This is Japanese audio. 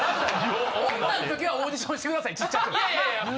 女ん時はオーディションしてくださいちっちゃく。